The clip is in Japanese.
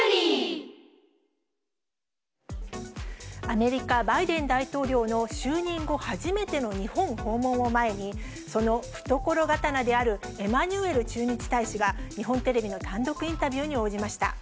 アメリカ、バイデン大統領の就任後初めての日本訪問を前に、その懐刀であるエマニュエル駐日大使が、日本テレビの単独インタビューに応じました。